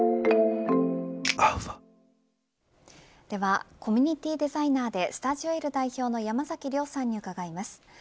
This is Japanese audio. ではコミュニティデザイナーでｓｔｕｄｉｏ‐Ｌ代表の山崎亮さんに伺います。